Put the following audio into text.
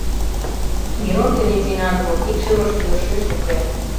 Мирон ден Изинан вот икшывышт йӧршеш уке.